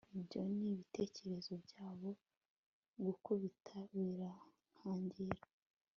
Ibyo nibitekerezo byabo gukubita biratangira